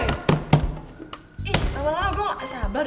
ih lama lama gue gak sabar